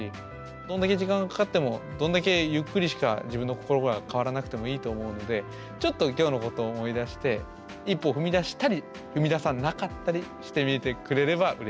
どんだけ時間がかかってもどんだけゆっくりしか自分の心が変わらなくてもいいと思うのでちょっと今日のことを思い出して一歩踏み出したり踏み出さなかったりしてみてくれればうれしいなと思います。